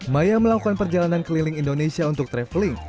maya melakukan perjalanan keliling indonesia untuk traveling